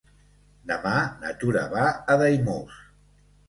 Demà na Tura va a Daimús.